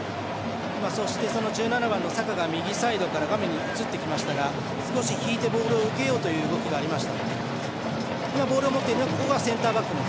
１７番のサカが右サイドに移ってきましたが引いて、ボールを受けようという動きがありました。